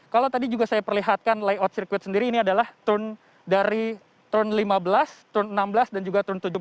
kalau tadi juga saya perlihatkan layout sirkuit sendiri ini adalah turn dari turn lima belas turn enam belas dan juga turn tujuh belas